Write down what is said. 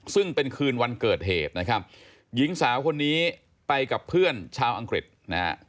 ซึ่งเป็นคืนวันเกิดเหตุนะครับหญิงสาวคนนี้ไปกับเพื่อนชาวอังกฤษนะฮะ